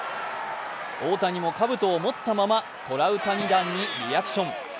大谷もかぶとを持ったままトラウタニ弾にリアクション。